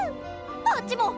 あっちも！